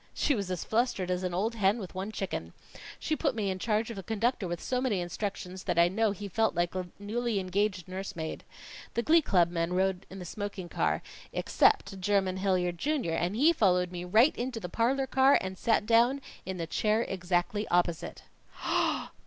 "She was as flustered as an old hen with one chicken. She put me in charge of the conductor with so many instructions, that I know he felt like a newly engaged nursemaid. The Glee Club men rode in the smoking car, except Jermyn Hilliard, Junior, and he followed me right into the parlor car and sat down in the chair exactly opposite."